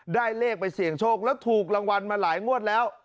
ได้เลขไปเสี่ยงโชคแล้วถูกรางวัลมาหลายงวดแล้ว